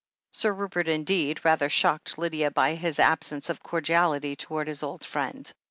Sir Rupert, indeed, rather shocked Lydia by his ab sence of cordiality towards his old friend.